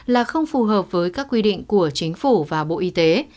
là không phù hợp với các quy định của chính phủ và bộ y tế